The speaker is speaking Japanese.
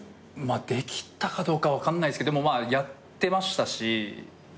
できたかどうか分かんないですけどでもまあやってましたし。